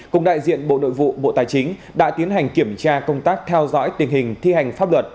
cùng đại diện bộ nội vụ bộ tài chính đã tiến hành kiểm tra công tác theo dõi tình hình thi hành pháp luật